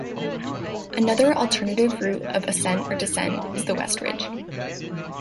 Another alternative route of ascent or descent is the West Ridge.